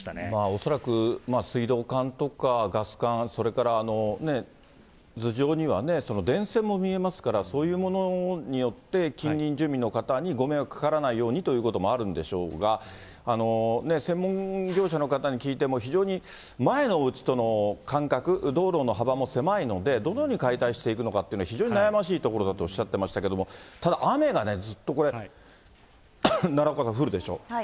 恐らく水道管とかガス管、それから頭上には電線も見えますから、そういうものによって、近隣住民の方にご迷惑かからないようにということもあるんでしょうが、専門業者の方に聞いても、非常に前のおうちとの間隔、道路の幅も狭いので、どのように解体していくのかっていうのは、非常に悩ましいところだとおっしゃっていましたけれども、ただ、雨がね、ずっとこれ、奈良岡さん、降るでしょ、